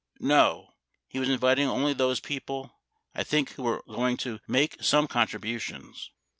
No, he was inviting only those people, I think who were going to make some contributions.